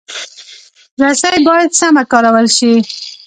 رسۍ باید سمه کارول شي.